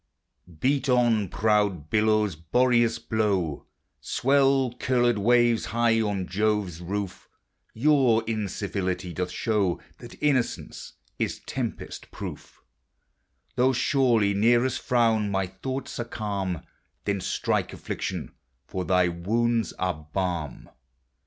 Beat on, proud billows; Boreas, blow ; Swell, curled waves, high as Jove's roof : Your incivility doth show That innocence is tempest proof ; Though surly Nereus frown, my thoughts dm; Then strike, Affliction, for thy wounds are balm.